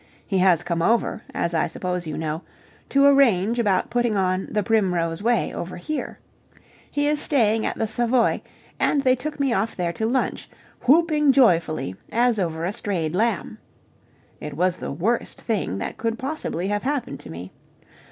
He has come over, as I suppose you know, to arrange about putting on "The Primrose Way" over here. He is staying at the Savoy, and they took me off there to lunch, whooping joyfully as over a strayed lamb. It was the worst thing that could possibly have happened to me.